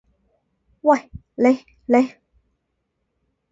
喂，你！你！